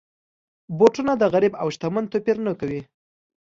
بوټونه د غریب او شتمن توپیر نه کوي.